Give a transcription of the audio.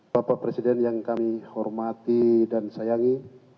bapak presiden yang kami hormati dan sayangi